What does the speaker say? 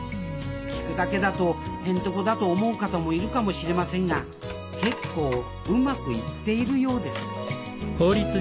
聞くだけだとへんてこだと思う方もいるかもしれませんが結構うまくいっているようです